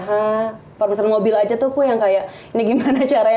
haa permesin mobil aja tuh kayak ini gimana caranya